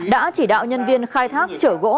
đã chỉ đạo nhân viên khai thác chở gỗ